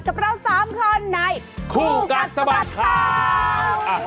กับเรา๓คนในคู่กัดสะบัดข่าว